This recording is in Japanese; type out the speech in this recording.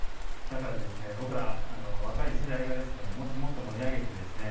だから僕ら若い世代がもっともっと盛り上げてですね